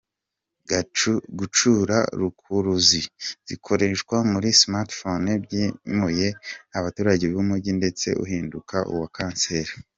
Gucukura rukuruzi zikoreshwa muri Smartphones byimuye abaturage b’umujyi ndetse uhinduka uwa Kanseri.